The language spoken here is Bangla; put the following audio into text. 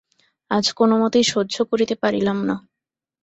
আজ কোনোমতেই সহ্য করিতে পারিলাম না।